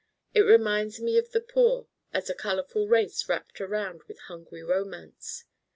It reminds me of the poor as a colorful race wrapped around with hungry romance.